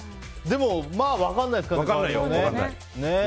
でも、まあ分からないですからね。